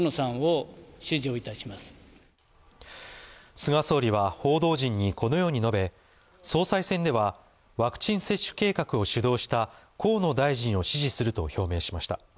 菅総理は報道陣にこのように述べ総裁選ではワクチン接種計画を主導した河野大臣を支持すると表明しました。